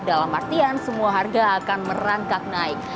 dalam artian semua harga akan merangkak naik